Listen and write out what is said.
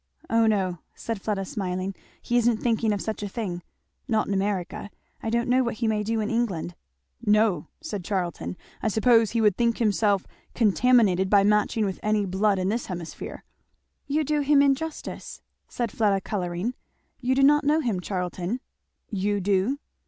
"Oh no!" said Fleda smiling, "he isn't thinking of such a thing; not in America I don't know what he may do in England." "No!" said Charlton. "I suppose he would think himself contaminated by matching with any blood in this hemisphere." "You do him injustice," said Fleda, colouring; "you do not know him, Charlton." "You do?"